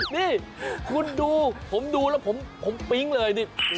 นี่คุณดูผมดูแล้วผมปิ๊งเลยนี่